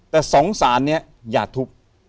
แต่สองศาลเนี่ยอย่าทุบ